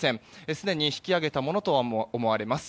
すでに引き揚げたものと思われます。